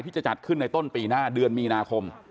จะจัดขึ้นในต้นปีหน้าเดือนมีนาคม